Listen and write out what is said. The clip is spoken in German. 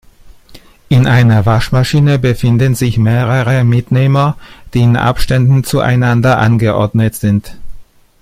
In einer Waschmaschine befinden sich mehrere Mitnehmer, die in Abständen zueinander angeordnet sind.